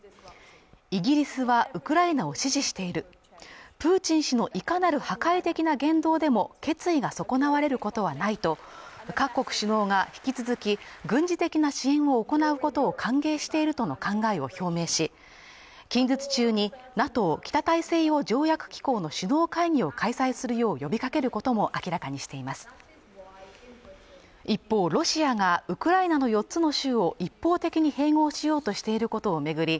イギリスはウクライナを支持しているプーチン氏のいかなる破壊的な言動でも決意が損なわれることはないと各国首脳が引き続き軍事的な支援を行うことを歓迎しているとの考えを表明し近日中にＮＡＴＯ＝北大西洋条約機構の首脳会議を開催するよう呼びかけることも明らかにしています一方ロシアがウクライナの４つの州を一方的に併合しようとしていることを巡り